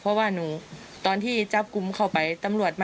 พูดใหญ่บ้านเคยขู่ถึงขั้นจะฆ่าให้ตายด้วยค่ะ